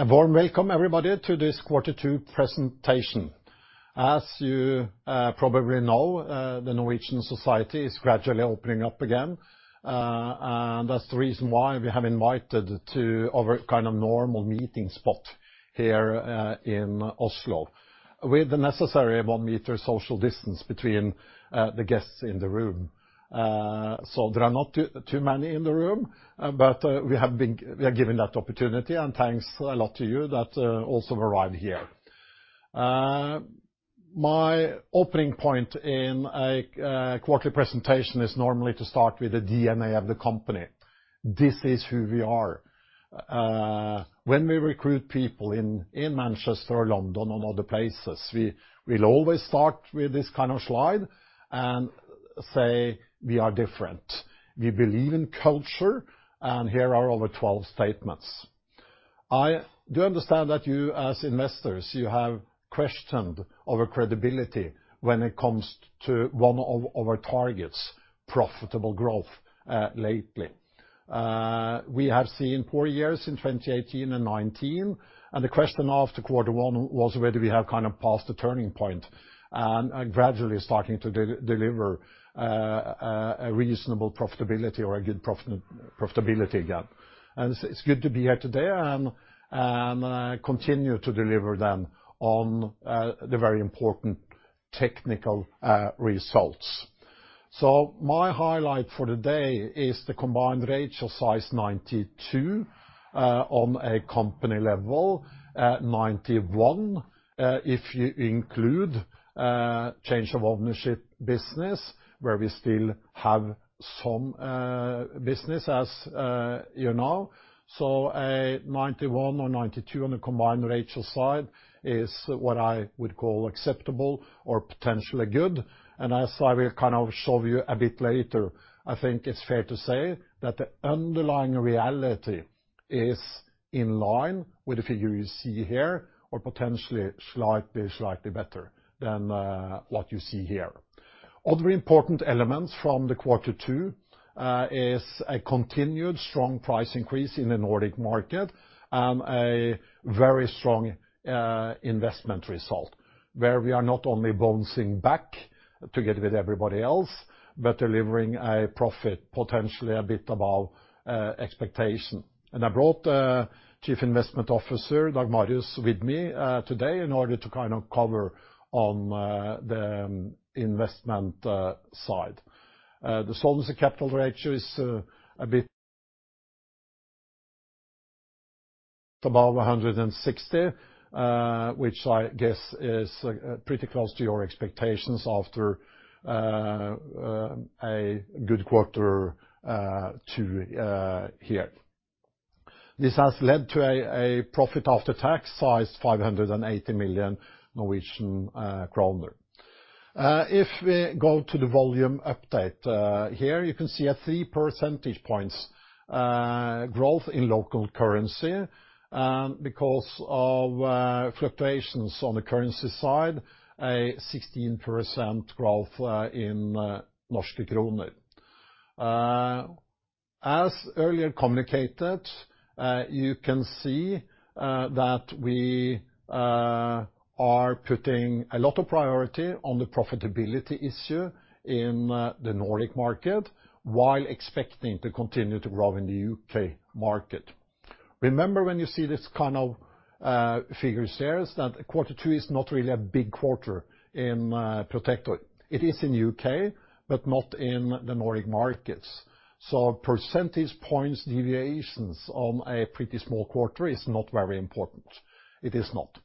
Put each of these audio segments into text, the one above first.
A warm welcome everybody to this Quarter 2 presentation. As you probably know, the Norwegian society is gradually opening up again. That's the reason why we have invited to our normal meeting spot here in Oslo with the necessary one meter social distance between the guests in the room. There are not too many in the room, but we are given that opportunity. Thanks a lot to you that also arrived here. My opening point in a quarterly presentation is normally to start with the DNA of the company. This is who we are. When we recruit people in Manchester or London or other places, we will always start with this kind of slide and say we are different. We believe in culture. Here are our 12 statements. I do understand that you as investors, you have questioned our credibility when it comes to one of our targets, profitable growth, lately. We have seen poor years in 2018 and 2019. The question after Q1 was whether we have passed the turning point and are gradually starting to deliver a reasonable profitability or a good profitability again. It's good to be here today and continue to deliver them on the very important technical results. My highlight for today is the combined ratio is 92 on a company level. 91 if you include change of ownership business, where we still have some business as you know. A 91 or 92 on a combined ratio side is what I would call acceptable or potentially good, and as I will show you a bit later, I think it's fair to say that the underlying reality is in line with the figure you see here, or potentially slightly better than what you see here. Other important elements from the Quarter 2 is a continued strong price increase in the Nordic market and a very strong investment result where we are not only bouncing back together with everybody else, but delivering a profit, potentially a bit above expectation. I brought the Chief Investment Officer, Dag Marius, with me today in order to cover on the investment side. The solvency capital ratio is a bit above 160, which I guess is pretty close to your expectations after a good Quarter 2 here. This has led to a profit after tax size 580 million Norwegian kroner. If we go to the volume update, here you can see a three percentage points growth in local currency, and because of fluctuations on the currency side, a 16% growth in NOK. As earlier communicated, you can see that we are putting a lot of priority on the profitability issue in the Nordic market while expecting to continue to grow in the U.K. market. Remember when you see these kind of figures there, that Quarter 2 is not really a big quarter in Protector. It is in the U.K., but not in the Nordic markets. Percentage points deviations on a pretty small quarter is not very important. It is not.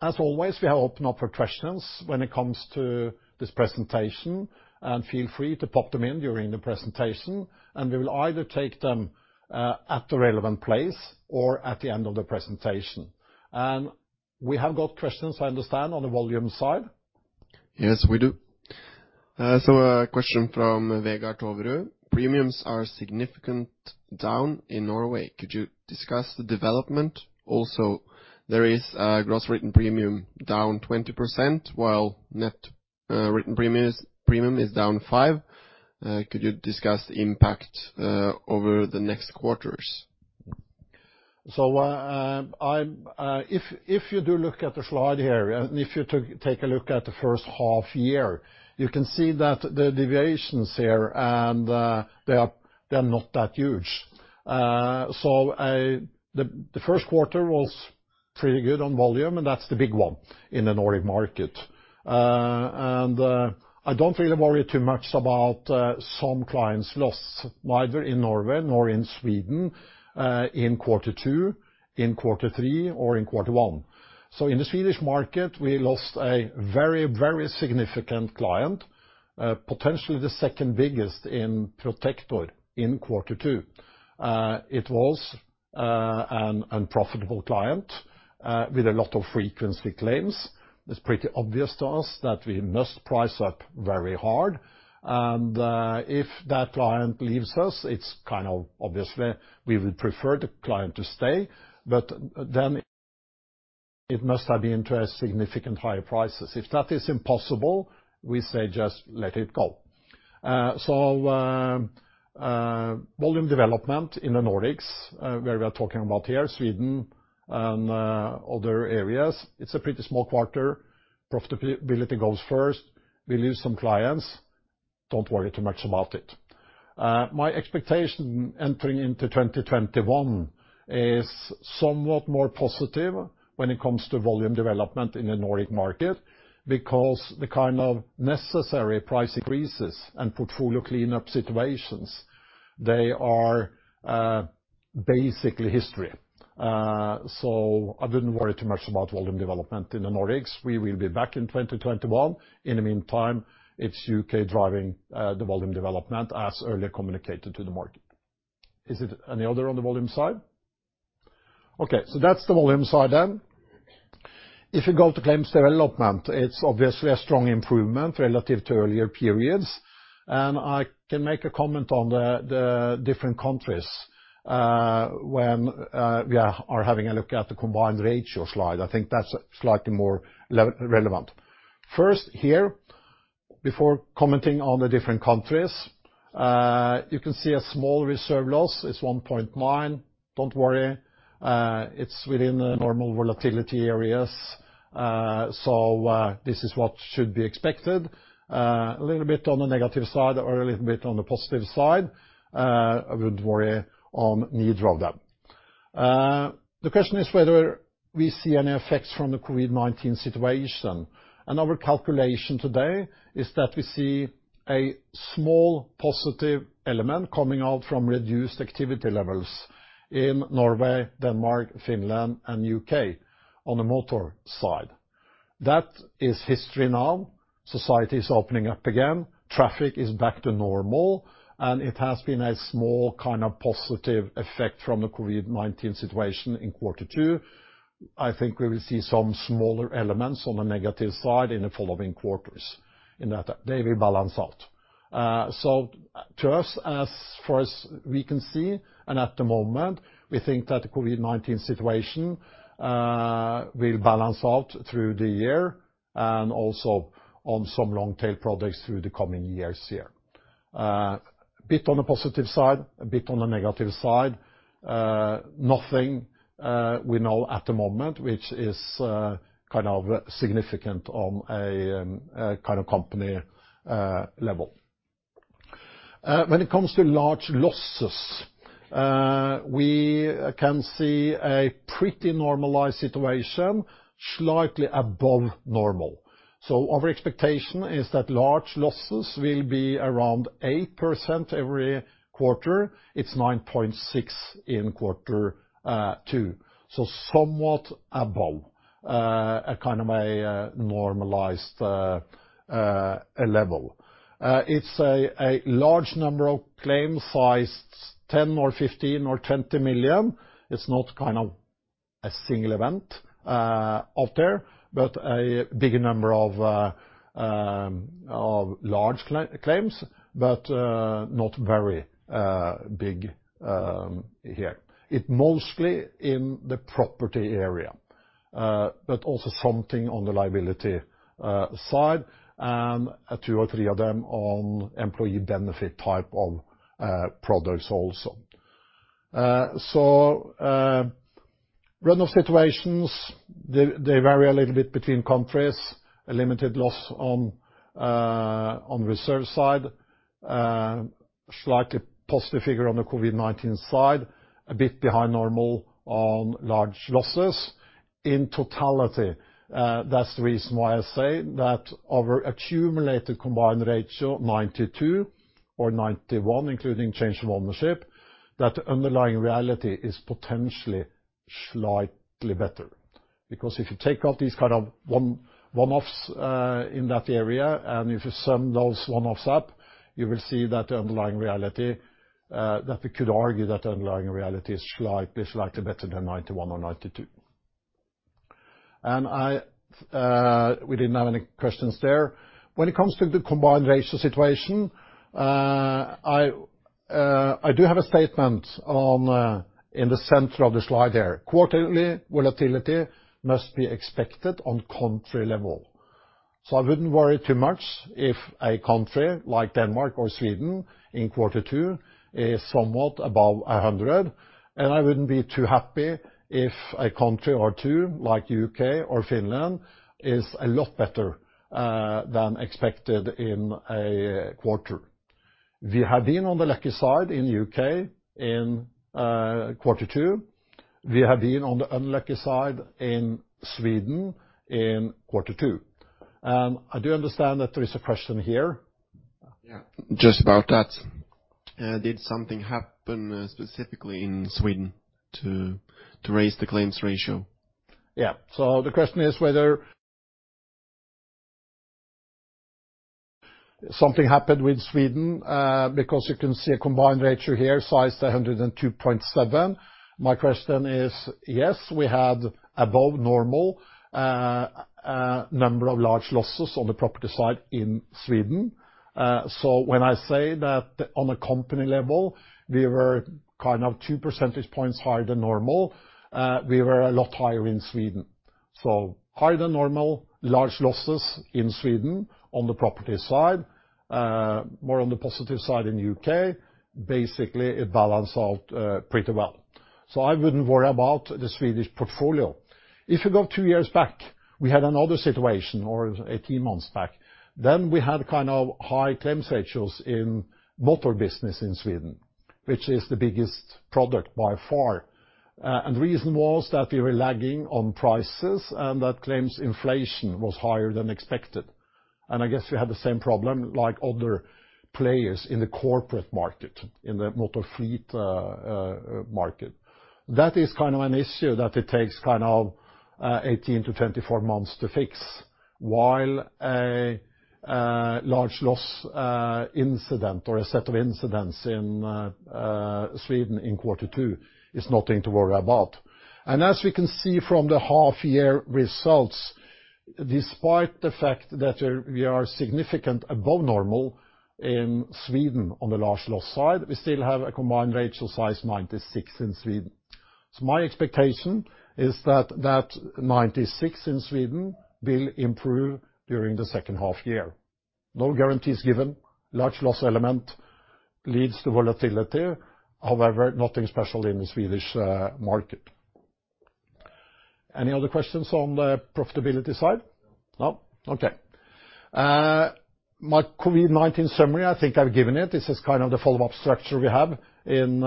As always, we are open up for questions when it comes to this presentation. Feel free to pop them in during the presentation, we will either take them at the relevant place or at the end of the presentation. We have got questions, I understand, on the volume side. Yes, we do. A question from Vegard Toverud. Premiums are significant down in Norway. Could you discuss the development? There is a gross written premium down 20%, while net written premium is down 5%. Could you discuss the impact over the next quarters? If you do look at the slide here, and if you take a look at the first half year, you can see that the deviations here, and they are not that huge. The first quarter was pretty good on volume, and that's the big one in the Nordic market. I don't really worry too much about some clients' loss, either in Norway nor in Sweden, in Quarter 2, in Quarter 3, or in Quarter 1. In the Swedish market, we lost a very, very significant client. Potentially the second biggest in Protector in Quarter 2. It was an unprofitable client with a lot of frequency claims. It's pretty obvious to us that we must price up very hard, and if that client leaves us, it's kind of obvious we would prefer the client to stay. It must have been to a significant higher prices. If that is impossible, we say just let it go. Volume development in the Nordics, where we are talking about here, Sweden and other areas, it's a pretty small quarter. Profitability goes first. We lose some clients. Don't worry too much about it. My expectation entering into 2021 is somewhat more positive when it comes to volume development in the Nordic market because the kind of necessary price increases and portfolio cleanup situations, they are basically history. I wouldn't worry too much about volume development in the Nordics. We will be back in 2021. In the meantime, it's U.K. driving the volume development as earlier communicated to the market. Is it any other on the volume side? That's the volume side then. If you go to claims development, it's obviously a strong improvement relative to earlier periods. I can make a comment on the different countries when we are having a look at the combined ratio slide. I think that's slightly more relevant. First here, before commenting on the different countries, you can see a small reserve loss. It's 1.9. Don't worry. It's within the normal volatility areas. This is what should be expected. A little bit on the negative side or a little bit on the positive side. I wouldn't worry on neither of them. The question is whether we see any effects from the COVID-19 situation. Our calculation today is that we see a small positive element coming out from reduced activity levels in Norway, Denmark, Finland, and U.K. on the motor side. That is history now. Society is opening up again. Traffic is back to normal, and it has been a small kind of positive effect from the COVID-19 situation in quarter two. I think we will see some smaller elements on the negative side in the following quarters in that they will balance out. To us, as far as we can see and at the moment, we think that the COVID-19 situation will balance out through the year and also on some long tail products through the coming years here. A bit on the positive side, a bit on the negative side. Nothing we know at the moment, which is significant on a company level. When it comes to large losses, we can see a pretty normalized situation slightly above normal. Our expectation is that large losses will be around 8% every quarter. It's 9.6% in quarter two, somewhat above a kind of a normalized level. It's a large number of claims sized 10 million or 15 million or 20 million. It's not a single event out there, but a bigger number of large claims, but not very big here. It's mostly in the property area, but also something on the liability side, and two or three of them on employee benefit type of products also. Runoff situations, they vary a little bit between countries. A limited loss on reserve side. Slightly positive figure on the COVID-19 side, a bit behind normal on large losses. In totality, that's the reason why I say that our accumulated combined ratio 92% or 91%, including change of ownership, that underlying reality is potentially slightly better. If you take out these one-offs in that area, and if you sum those one-offs up, you will see that the underlying reality, that we could argue that underlying reality is slightly better than 91 or 92. We didn't have any questions there. When it comes to the combined ratio situation, I do have a statement in the center of the slide there. Quarterly volatility must be expected on country level. I wouldn't worry too much if a country like Denmark or Sweden in quarter two is somewhat above 100, and I wouldn't be too happy if a country or two like U.K. or Finland is a lot better than expected in a quarter. We have been on the lucky side in U.K. in quarter two. We have been on the unlucky side in Sweden in quarter two. I do understand that there is a question here. Yeah, just about that. Did something happen specifically in Sweden to raise the claims ratio? Yeah. The question is whether something happened with Sweden, because you can see a combined ratio here sized 102.7. My question is, yes, we had above normal number of large losses on the property side in Sweden. When I say that on a company level, we were kind of two percentage points higher than normal. We were a lot higher in Sweden. Higher than normal large losses in Sweden on the property side, more on the positive side in U.K. Basically, it balance out pretty well. I wouldn't worry about the Swedish portfolio. If you go two years back, we had another situation, or 18 months back, then we had high claim ratios in motor business in Sweden, which is the biggest product by far. The reason was that we were lagging on prices and that claims inflation was higher than expected. I guess we had the same problem like other players in the corporate market, in the motor fleet market. That is an issue that it takes 18-24 months to fix, while a large loss incident or a set of incidents in Sweden in quarter two is nothing to worry about. As we can see from the half-year results, despite the fact that we are significant above normal in Sweden on the large loss side, we still have a combined ratio size 96 in Sweden. My expectation is that that 96 in Sweden will improve during the second half-year. No guarantees given. Large loss element leads to volatility. However, nothing special in the Swedish market. Any other questions on the profitability side? No? Okay. My COVID-19 summary, I think I've given it. This is kind of the follow-up structure we have in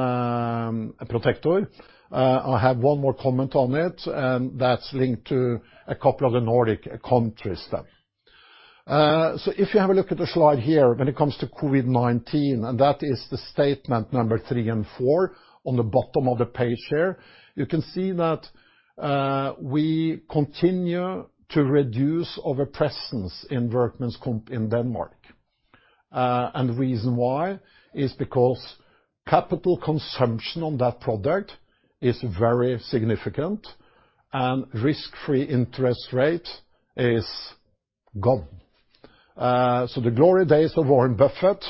Protector. I have one more comment on it, and that's linked to a couple of the Nordic countries then. If you have a look at the slide here, when it comes to COVID-19, and that is the statement number three and four on the bottom of the page here. You can see that we continue to reduce our presence in workers' compensation in Denmark. The reason why is because capital consumption on that product is very significant and risk-free interest rate is gone. The glory days of Warren Buffett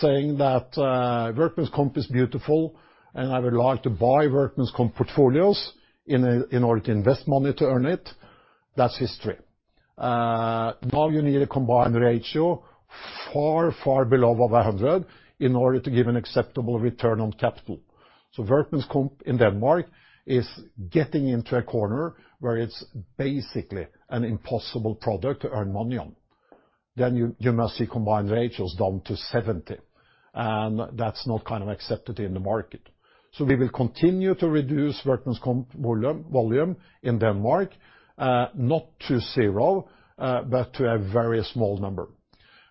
saying that, "Workers' compensation is beautiful, and I would like to buy workers' compensation portfolios in order to invest money to earn it," that's history. Now you need a combined ratio far below over 100 in order to give an acceptable return on capital. Workers' compensation in Denmark is getting into a corner where it's basically an impossible product to earn money on. You must see combined ratios down to 70, and that's not accepted in the market. We will continue to reduce workers' compensation volume in Denmark, not to zero, but to a very small number.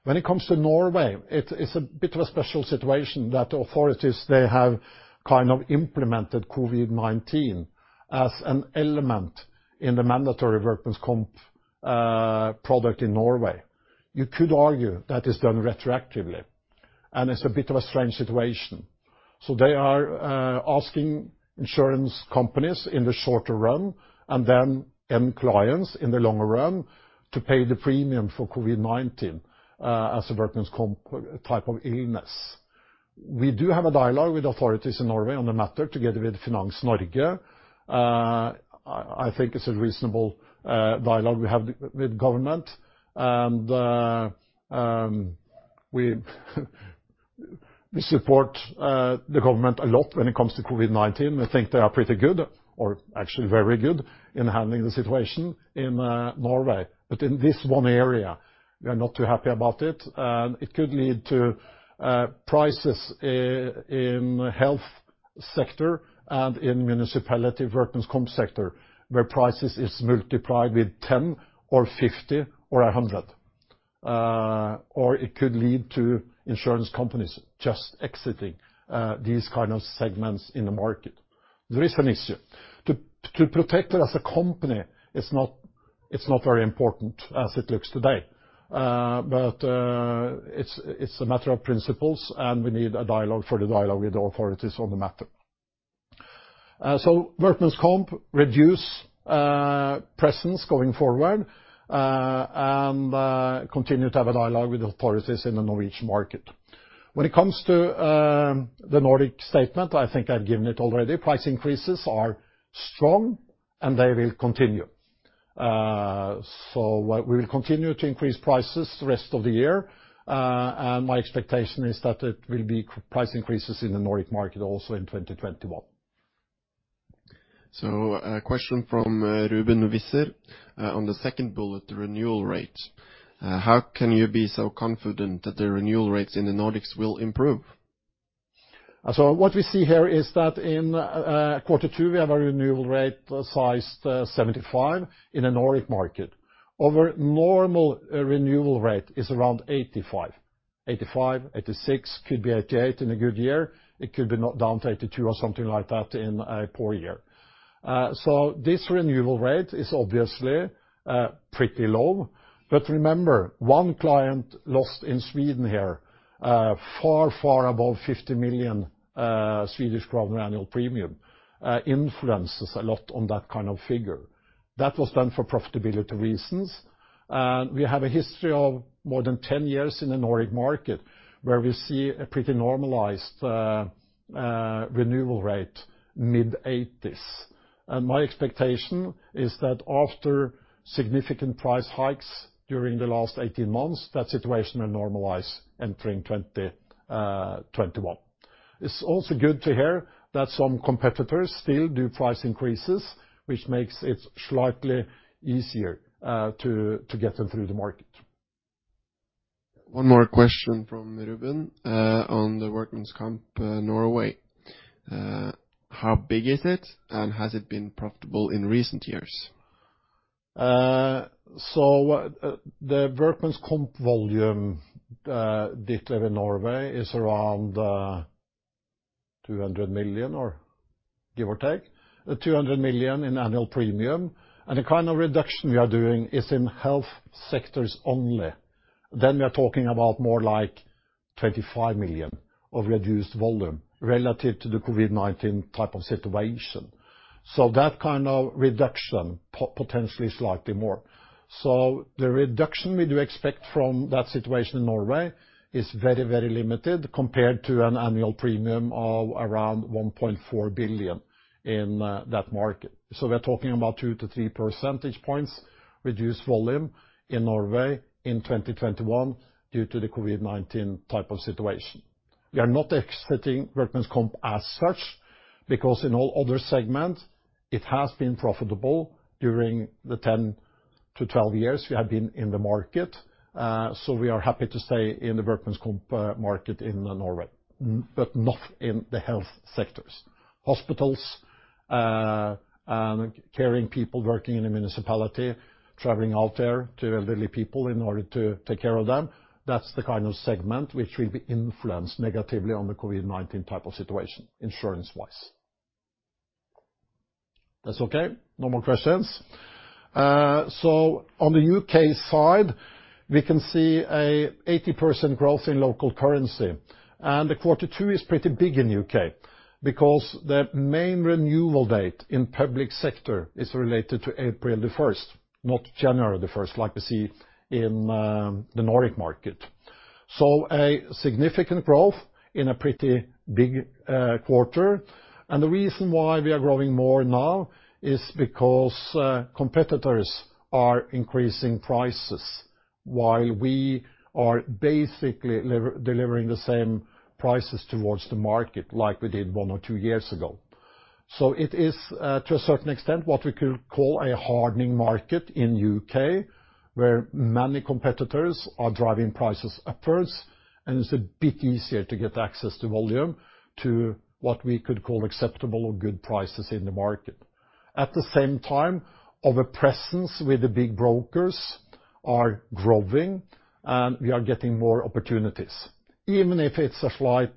When it comes to Norway, it's a bit of a special situation that authorities, they have implemented COVID-19 as an element in the mandatory workers' compensation product in Norway. You could argue that is done retroactively, and it's a bit of a strange situation. They are asking insurance companies in the shorter run, and then end clients in the longer run, to pay the premium for COVID-19 as a workers' compensation type of illness. We do have a dialogue with authorities in Norway on the matter together with Finans Norge. I think it's a reasonable dialogue we have with government, and we support the government a lot when it comes to COVID-19. I think they are pretty good or actually very good in handling the situation in Norway. In this one area, we are not too happy about it. It could lead to prices in health sector and in municipality workers' compensation sector, where prices is multiplied with 10 or 50 or 100. It could lead to insurance companies just exiting these kind of segments in the market. There is an issue. To Protector as a company, it's not very important as it looks today. It's a matter of principles, and we need a dialogue for the dialogue with authorities on the matter. Workers' compensation reduce presence going forward, and continue to have a dialogue with authorities in the Norwegian market. When it comes to the Nordic statement, I think I've given it already. Price increases are strong, and they will continue. We will continue to increase prices the rest of the year. My expectation is that it will be price increases in the Nordic market also in 2021. A question from Ruben Visser on the second bullet, the renewal rate. How can you be so confident that the renewal rates in the Nordics will improve? What we see here is that in Q2, we have a renewal rate sized 75 in the Nordic market. Our normal renewal rate is around 85. 85, 86, could be 88 in a good year. It could be down to 82 or something like that in a poor year. This renewal rate is obviously pretty low. Remember, one client lost in Sweden here, far above 50 million Swedish kronor annual premium, influences a lot on that kind of figure. That was done for profitability reasons. We have a history of more than 10 years in the Nordic market, where we see a pretty normalized renewal rate, mid-80s. My expectation is that after significant price hikes during the last 18 months, that situation will normalize entering 2021. It's also good to hear that some competitors still do price increases, which makes it slightly easier to get them through the market. One more question from Ruben on the workers' comp Norway. How big is it, and has it been profitable in recent years? The workers' compensation volume detail in Norway is around 200 million in annual premium, or give or take. The kind of reduction we are doing is in health sectors only. We are talking about more like 25 million of reduced volume relative to the COVID-19 type of situation. That kind of reduction, potentially slightly more. The reduction we do expect from that situation in Norway is very, very limited compared to an annual premium of around 1.4 billion in that market. We're talking about 2-3 percentage points reduced volume in Norway in 2021 due to the COVID-19 type of situation. We are not exiting workers' compensation as such because in all other segments, it has been profitable during the 10-12 years we have been in the market. We are happy to stay in the workers' compensation market in Norway, but not in the health sectors. Hospitals, caring people working in the municipality, traveling out there to elderly people in order to take care of them, that's the kind of segment which will be influenced negatively on the COVID-19 type of situation insurance-wise. That's okay? No more questions? On the U.K. side, we can see a 80% growth in local currency. The quarter two is pretty big in U.K. because the main renewal date in public sector is related to April 1st, not January 1st like we see in the Nordic market. A significant growth in a pretty big quarter. The reason why we are growing more now is because competitors are increasing prices while we are basically delivering the same prices towards the market like we did one or two years ago. It is, to a certain extent, what we could call a hardening market in the U.K., where many competitors are driving prices upwards, and it's a bit easier to get access to volume to what we could call acceptable or good prices in the market. At the same time, our presence with the big brokers are growing, and we are getting more opportunities, even if it's a slight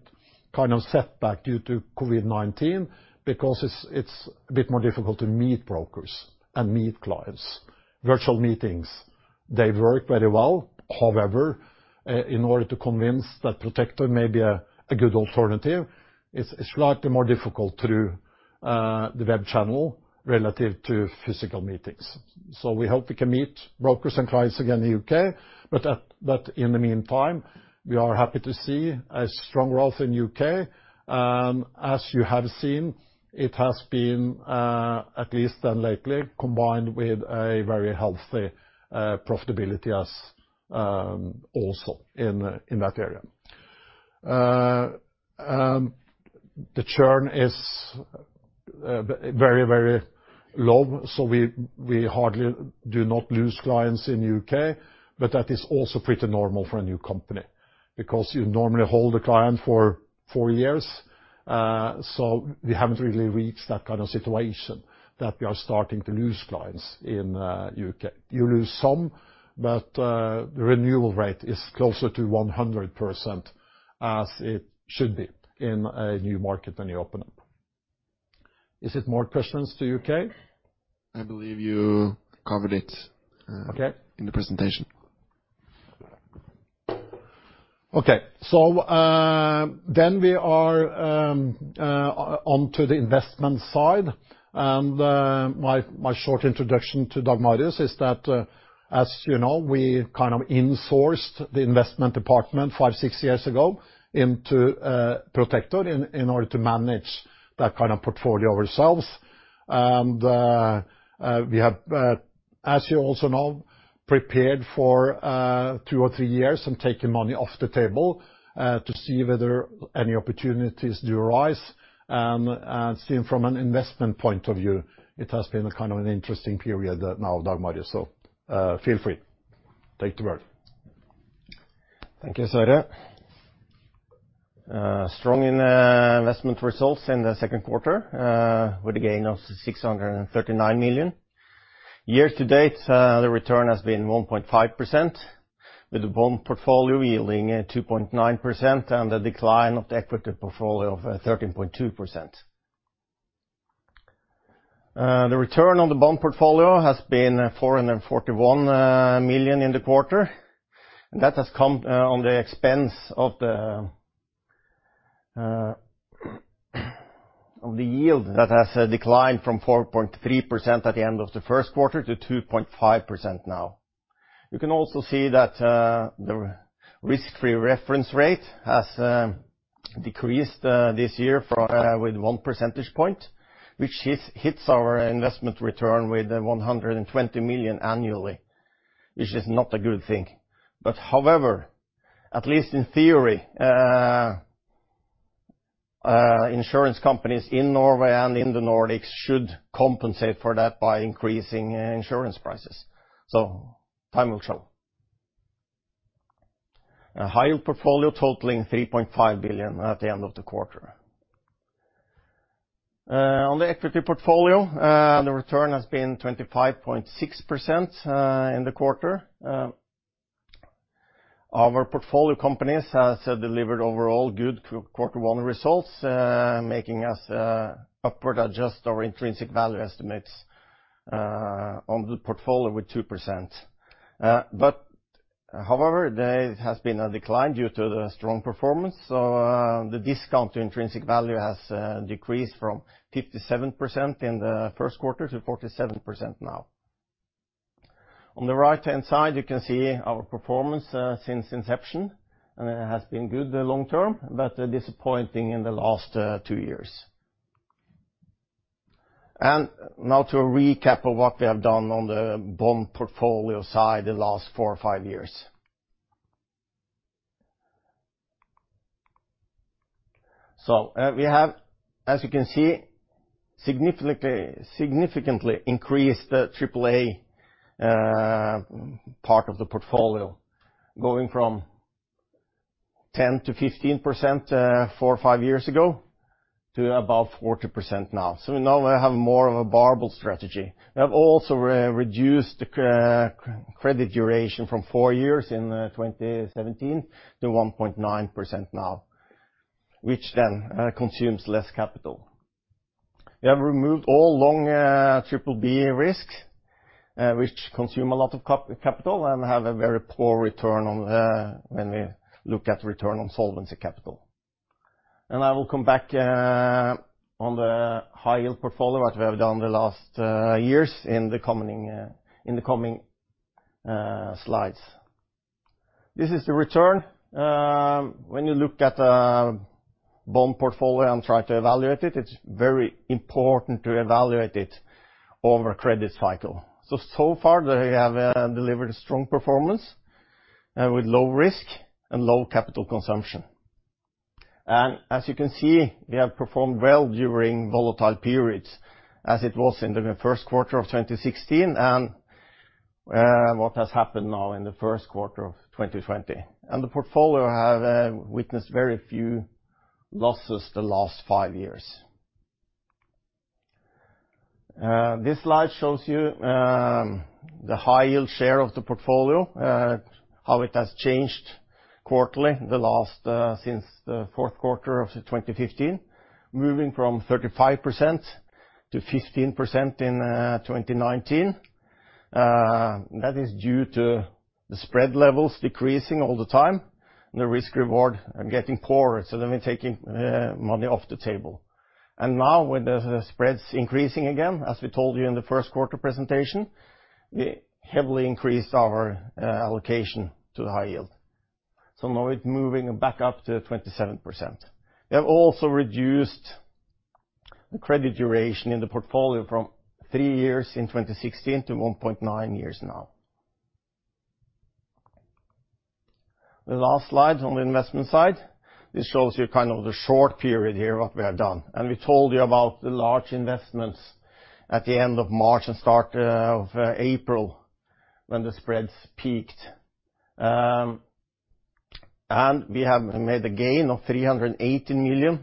kind of setback due to COVID-19 because it's a bit more difficult to meet brokers and meet clients. Virtual meetings, they work very well. However, in order to convince that Protector may be a good alternative, it's slightly more difficult through the web channel relative to physical meetings. We hope we can meet brokers and clients again in the U.K. In the meantime, we are happy to see a strong growth in the U.K. As you have seen, it has been, at least lately, combined with a very healthy profitability as also in that area. The churn is very, very low, we hardly do not lose clients in the U.K. That is also pretty normal for a new company, because you normally hold a client for four years. We haven't really reached that kind of situation that we are starting to lose clients in the U.K. You lose some, the renewal rate is closer to 100%, as it should be in a new market when you open up. Is it more questions to the U.K.? I believe you covered it. Okay in the presentation. Okay. We are onto the investment side. My short introduction to Dag Marius is that, as you know, we kind of insourced the investment department five, six years ago into Protector in order to manage that kind of portfolio ourselves. We have, as you also know, prepared for two or three years and taken money off the table to see whether any opportunities do arise. Seeing from an investment point of view, it has been a kind of an interesting period now, Dag Marius, so feel free. Take the word. Thank you, Sverre. Strong investment results in the second quarter with a gain of 639 million. Year to date, the return has been 1.5%, with the bond portfolio yielding 2.9% and a decline of the equity portfolio of 13.2%. The return on the bond portfolio has been 441 million in the quarter. That has come on the expense of the yield that has declined from 4.3% at the end of the first quarter to 2.5% now. You can also see that the risk-free reference rate has decreased this year with one percentage point, which hits our investment return with 120 million annually, which is not a good thing. At least in theory, insurance companies in Norway and in the Nordics should compensate for that by increasing insurance prices. Time will show. A high-yield portfolio totaling 3.5 billion at the end of the quarter. On the equity portfolio, the return has been 25.6% in the quarter. Our portfolio companies has delivered overall good quarter one results, making us upward adjust our intrinsic value estimates on the portfolio with 2%. However, there has been a decline due to the strong performance. The discount to intrinsic value has decreased from 57% in the first quarter to 47% now. On the right-hand side, you can see our performance since inception, and it has been good the long term, but disappointing in the last two years. Now to a recap of what we have done on the bond portfolio side the last four or five years. We have, as you can see, significantly increased the AAA part of the portfolio, going from 10% to 15% four or five years ago, to about 40% now. Now we have more of a barbell strategy. We have also reduced the credit duration from four years in 2017 to 1.9% now, which then consumes less capital. We have removed all long BBB risks, which consume a lot of capital and have a very poor return when we look at return on solvency capital. I will come back on the high-yield portfolio that we have done the last years in the coming slides. This is the return. When you look at the bond portfolio and try to evaluate it's very important to evaluate it over a credit cycle. So far we have delivered a strong performance with low risk and low capital consumption. As you can see, we have performed well during volatile periods as it was in the first quarter of 2016 and what has happened now in the first quarter of 2020. The portfolio have witnessed very few losses the last five years. This slide shows you the high-yield share of the portfolio, how it has changed quarterly since the fourth quarter of 2015, moving from 35% to 15% in 2019. That is due to the spread levels decreasing all the time and the risk-reward getting poorer, so then we're taking money off the table. Now with the spreads increasing again, as we told you in the first quarter presentation, we heavily increased our allocation to the high yield. Now it's moving back up to 27%. We have also reduced the credit duration in the portfolio from three years in 2016 to 1.9 years now. The last slide on the investment side, this shows you kind of the short period here, what we have done. We told you about the large investments at the end of March and start of April when the spreads peaked. We have made a gain of 380 million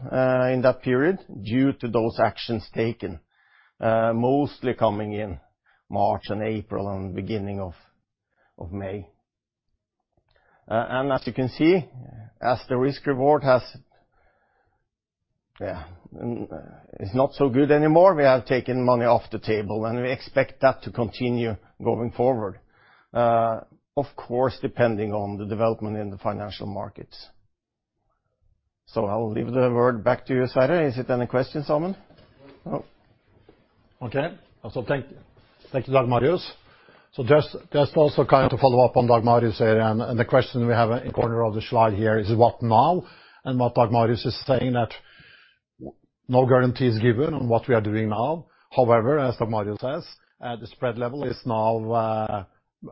in that period due to those actions taken, mostly coming in March and April and beginning of May. As you can see, as the risk reward is not so good anymore, we have taken money off the table, and we expect that to continue going forward. Of course, depending on the development in the financial markets. I will leave the word back to you, Sverre. Is it any questions someone? Okay. Thank you, Dag Marius. Just also kind of follow up on Dag Marius here. The question we have in corner of the slide here is, what now? What Dag Marius is saying that no guarantee is given on what we are doing now. However, as Dag Marius says, the spread level is now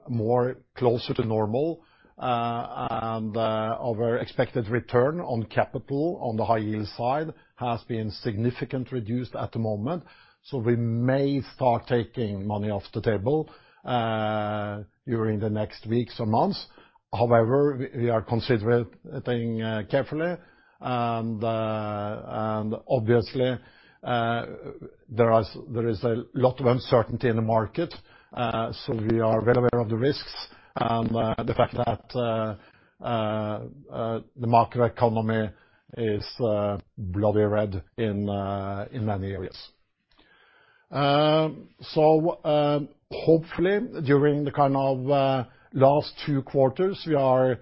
more closer to normal. Our expected return on capital on the high-yield side has been significantly reduced at the moment. We may start taking money off the table during the next weeks or months. However, we are considering carefully. Obviously, there is a lot of uncertainty in the market. We are well aware of the risks and the fact that the market economy is bloody red in many areas. Hopefully during the last two quarters, we are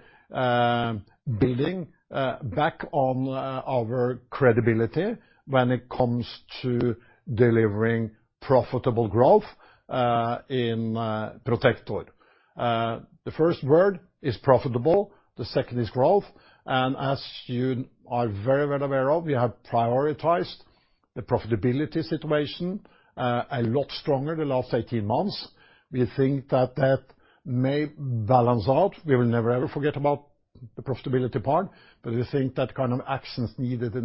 building back on our credibility when it comes to delivering profitable growth in Protector. The first word is profitable, the second is growth. As you are very well aware of, we have prioritized the profitability situation a lot stronger the last 18 months. We think that may balance out. We will never ever forget about the profitability part, but we think that kind of action is needed, they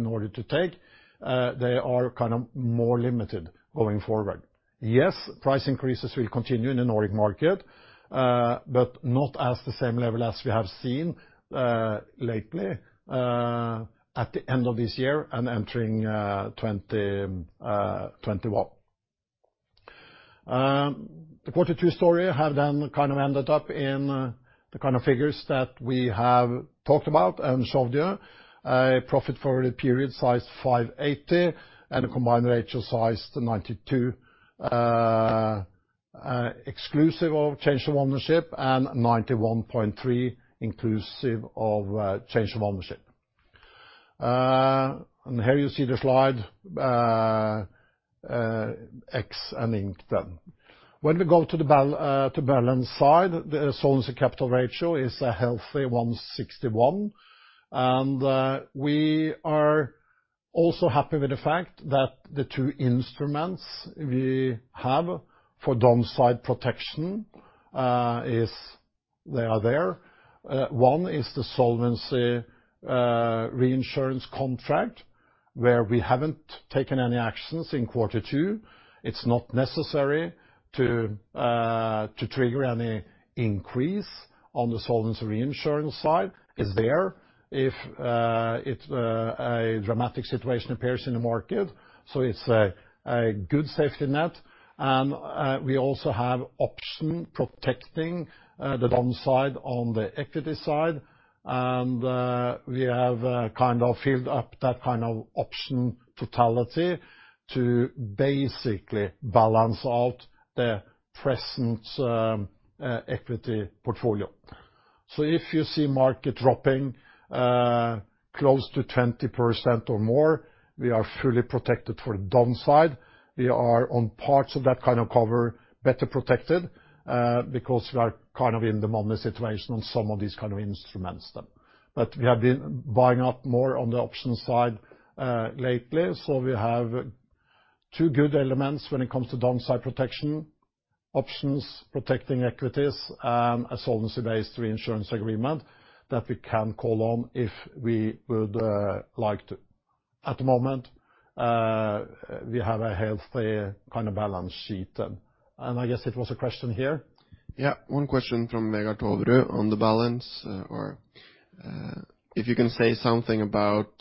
are more limited going forward. Yes, price increases will continue in the Nordic market, but not at the same level as we have seen lately, at the end of this year and entering 2020, 2021. The Q2 story have then ended up in the kind of figures that we have talked about and showed you. Profit for the period 580 and a combined ratio of 92%, exclusive of change of ownership and 91.3% inclusive of change of ownership. Here you see the slide, ex and inc then. When we go to the balance side, the solvency capital ratio is a healthy 161%. We are also happy with the fact that the two instruments we have for downside protection are there. One is the solvency reinsurance contract where we haven't taken any actions in Q2. It's not necessary to trigger any increase on the solvency reinsurance side. It's there if a dramatic situation appears in the market, it's a good safety net. We also have option protecting the downside on the equity side. We have filled up that kind of option totality to basically balance out the present equity portfolio. If you see market dropping close to 20% or more, we are fully protected for the downside. We are on parts of that kind of cover better protected, because we are in the money situation on some of these kind of instruments then. We have been buying up more on the options side lately, so we have two good elements when it comes to downside protection options, protecting equities, and a solvency-based reinsurance agreement that we can call on if we would like to. At the moment, we have a healthy kind of balance sheet. I guess it was a question here. Yeah. One question from Vegard Toverud on the balance, or if you can say something about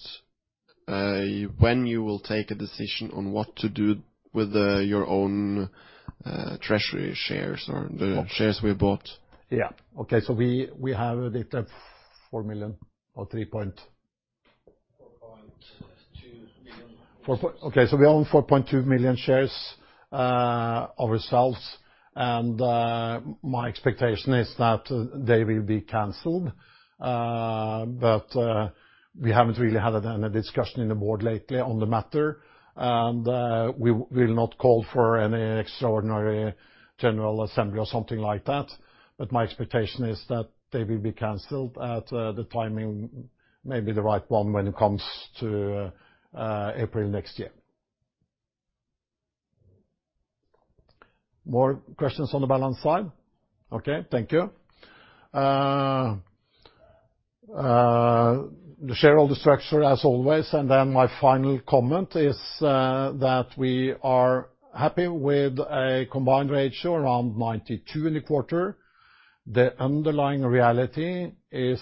when you will take a decision on what to do with your own treasury shares or the shares we bought. Yeah. Okay. We have a bit of 4 million or 4.2 million. Okay. We own 4.2 million shares ourselves, and my expectation is that they will be canceled. We haven't really had any discussion in the board lately on the matter. We will not call for any extraordinary general assembly or something like that, but my expectation is that they will be canceled at the timing may be the right one when it comes to April next year. More questions on the balance side? Okay, thank you. The shareholder structure as always. Then my final comment is that we are happy with a combined ratio around 92% in the quarter. The underlying reality is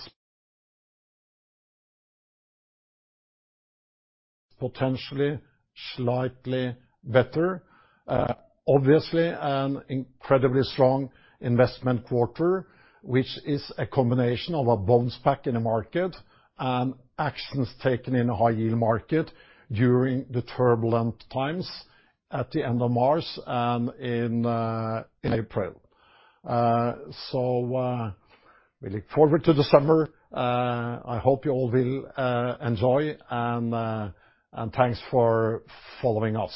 potentially slightly better. An incredibly strong investment quarter, which is a combination of a bounce back in the market and actions taken in the high-yield market during the turbulent times at the end of March and in April. We look forward to December. I hope you all will enjoy and thanks for following us.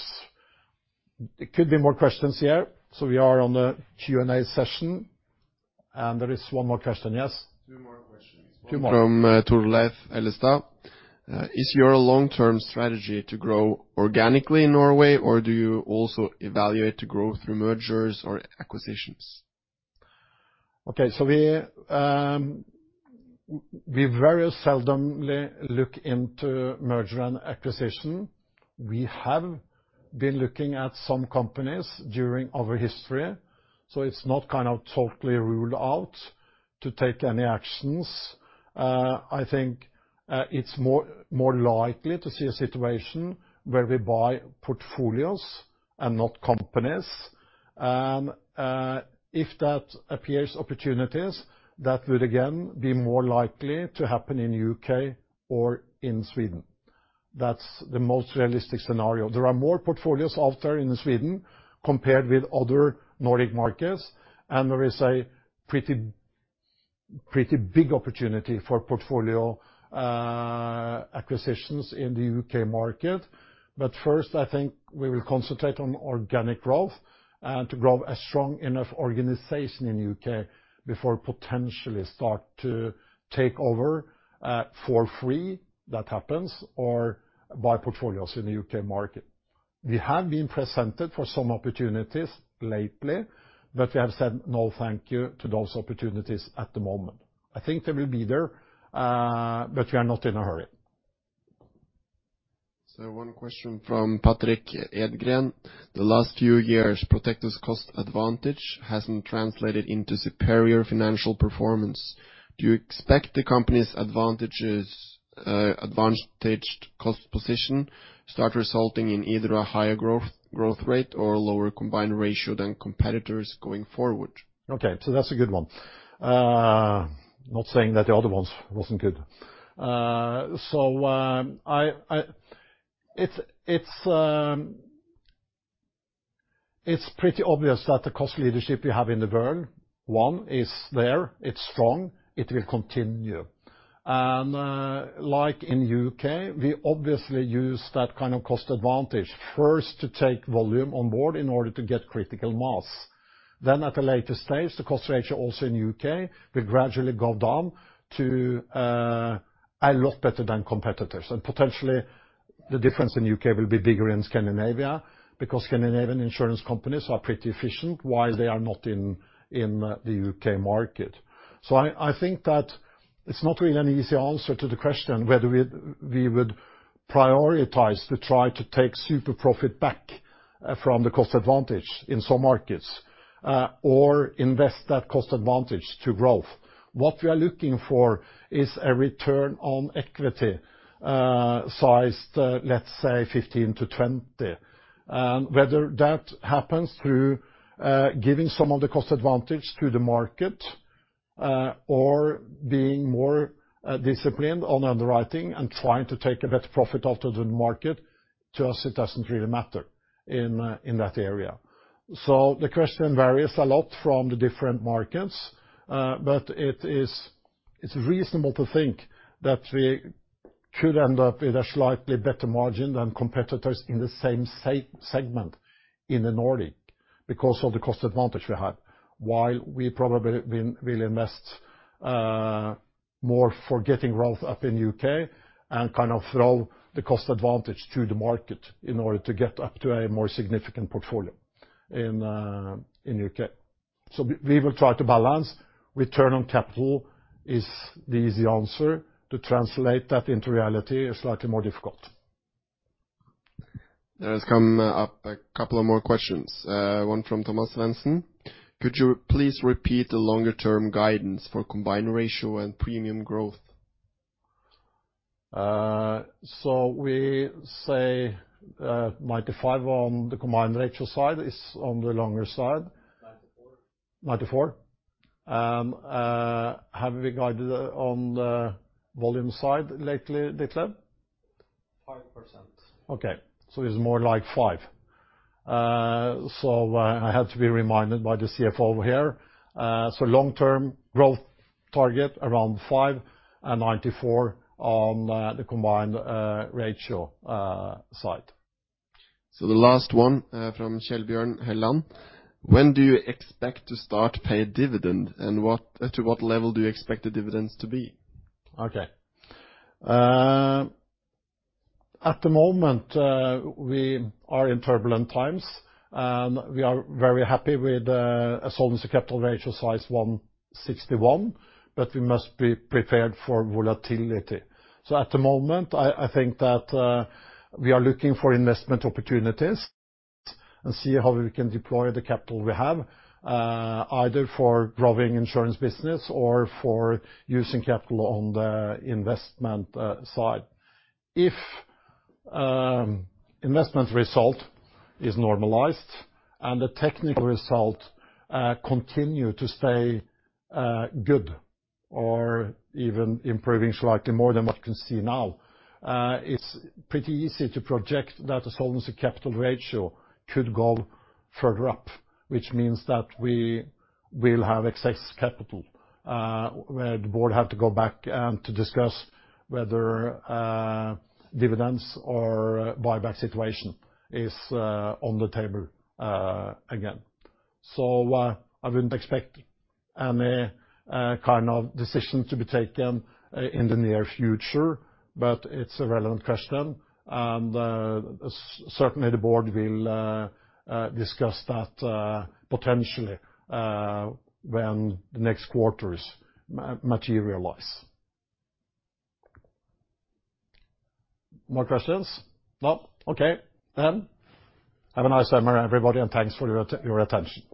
There could be more questions here. We are on the Q&A session. There is one more question, yes? Two more questions. Two more. From Torleif Ellestad. Is your long-term strategy to grow organically in Norway or do you also evaluate to grow through mergers or acquisitions? Okay, we very seldom look into merger and acquisition. We have been looking at some companies during our history, so it's not kind of totally ruled out to take any actions. I think it's more likely to see a situation where we buy portfolios and not companies. If that appears opportunities, that would again be more likely to happen in U.K. or in Sweden. That's the most realistic scenario. There are more portfolios out there in Sweden compared with other Nordic markets, and there is a pretty big opportunity for portfolio acquisitions in the U.K. market. First, I think we will concentrate on organic growth and to grow a strong enough organization in U.K. before potentially start to take over for free, that happens, or buy portfolios in the U.K. market. We have been presented for some opportunities lately, but we have said no thank you to those opportunities at the moment. I think they will be there, but we are not in a hurry. One question from Patrick Edgren. The last few years, Protector's cost advantage hasn't translated into superior financial performance. Do you expect the company's advantaged cost position start resulting in either a higher growth rate or a lower combined ratio than competitors going forward? Okay, that's a good one. Not saying that the other ones wasn't good. It's pretty obvious that the cost leadership we have in the world, one, is there, it's strong, it will continue. Like in U.K., we obviously use that kind of cost advantage first to take volume on board in order to get critical mass. At a later stage, the cost ratio also in U.K. will gradually go down to a lot better than competitors. Potentially, the difference in U.K. will be bigger than Scandinavia because Scandinavian insurance companies are pretty efficient, while they are not in the U.K. market. I think that it's not really an easy answer to the question whether we would prioritize to try to take super profit back from the cost advantage in some markets, or invest that cost advantage to growth. What we are looking for is a return on equity sized, let's say, 15%-20%. Whether that happens through giving some of the cost advantage to the market, or being more disciplined on underwriting and trying to take a better profit off than the market, to us, it doesn't really matter in that area. The question varies a lot from the different markets. It's reasonable to think that we could end up with a slightly better margin than competitors in the same segment in the Nordic because of the cost advantage we have. While we probably will invest more for getting growth up in U.K. and kind of throw the cost advantage to the market in order to get up to a more significant portfolio in U.K. We will try to balance return on capital is the easy answer. To translate that into reality is slightly more difficult. There has come up a couple of more questions, one from Thomas Svensson. Could you please repeat the longer term guidance for combined ratio and premium growth? We say 95 on the combined ratio side is on the longer side. 94. Have we guided on the volume side lately, Ditlev? 5%. Okay, it's more like five. I had to be reminded by the CFO here. Long term growth target around five and 94 on the combined ratio side. The last one from Stian Helland. When do you expect to start pay dividend, and to what level do you expect the dividends to be? Okay. At the moment, we are in turbulent times, and we are very happy with a solvency capital ratio size 161, but we must be prepared for volatility. At the moment, I think that we are looking for investment opportunities and see how we can deploy the capital we have, either for growing insurance business or for using capital on the investment side. If investment result is normalized and the technical result continue to stay good or even improving slightly more than what you can see now, it's pretty easy to project that the solvency capital ratio could go further up, which means that we will have excess capital, where the board have to go back to discuss whether dividends or buyback situation is on the table again. I wouldn't expect any kind of decision to be taken in the near future, but it's a relevant question, and certainly, the board will discuss that potentially when the next quarters materialize. More questions? No. Okay. Have a nice summer, everybody, and thanks for your attention.